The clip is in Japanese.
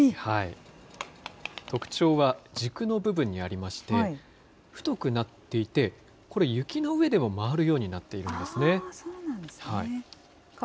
特徴は軸の部分にありまして、太くなっていて、これ、雪の上でも回るようになっているんですね。